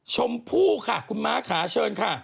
ชมพู่ค่ะคุณม้าค่ะเชิญค่ะ